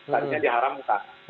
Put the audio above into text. tadinya di haramkan